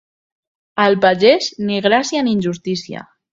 Al pagès, ni gràcia ni injustícia.